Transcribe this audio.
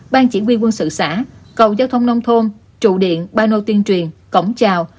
bang chỉ huy quân sự xã cầu giao thông nông thôn trụ điện ba nô tiên truyền cổng trào